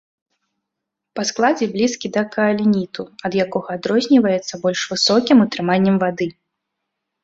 Па складзе блізкі да каалініту, ад якога адрозніваецца больш высокім утрыманнем вады.